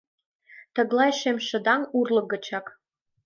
Тыглай шемшыдаҥ урлык гычак.